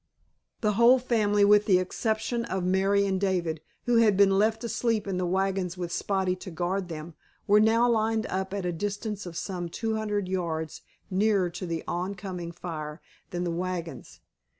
_" The whole family, with the exception of Mary and David, who had been left asleep in the wagons with Spotty to guard them, were now lined up at a distance of some two hundred yards nearer to the oncoming fire than the wagons.